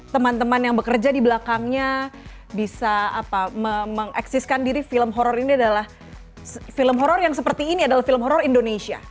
teman teman yang bekerja di belakangnya bisa mengeksiskan diri film horror ini adalah film horror yang seperti ini adalah film horror indonesia